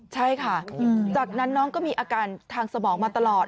ใช่ค่ะจากนั้นน้องก็มีอาการทางสมองมาตลอด